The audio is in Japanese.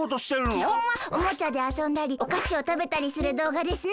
きほんはおもちゃであそんだりおかしをたべたりするどうがですね。